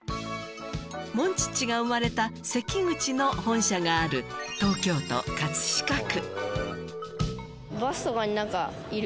モンチッチが生まれたセキグチの本社がある東京都飾区。